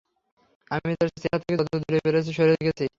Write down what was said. আমি তার চেহারা থেকে যত দূরে পেরেছি সরে গেছি।